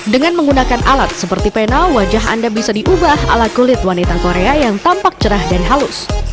dengan menggunakan alat seperti pena wajah anda bisa diubah ala kulit wanita korea yang tampak cerah dan halus